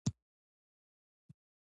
دا هیله یې وزېږوله.